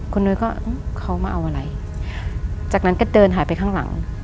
คุณนุ้ยก็เขามาเอาอะไรจากนั้นก็เดินหายไปข้างหลัง